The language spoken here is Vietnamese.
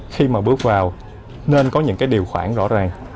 khi mà bước vào nên có những cái điều khoản rõ ràng